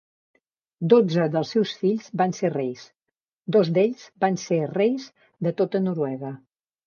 Dotze dels seus fills van ser reis, dos d'ells van ser reis de tota Noruega.